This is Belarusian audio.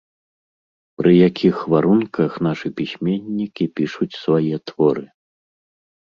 Пры якіх варунках нашы пісьменнікі пішуць свае творы?